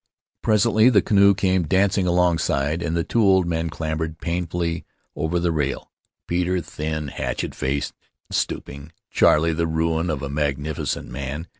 Presently the canoe came dancing alongside, and the two old men clambered painfully over the rail — Peter thin, hatchet faced, and stooping; Charley the ruin of a magnificent man.